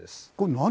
何？